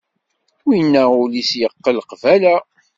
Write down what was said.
Winna ul-is yeqqel qbala.